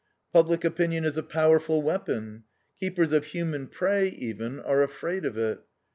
Public opinion is a powerful weapon; keepers of human prey, even, are afraid of it.